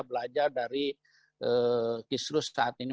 belajar dari kisruh saat ini